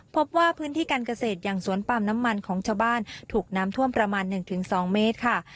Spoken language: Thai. พบว่าพื้นที่การเกษตรอย่างสวนปาล์มน้ำมันของชาวบ้านถูกน้ำท่วมประมาณ๑๒เมตรค่ะ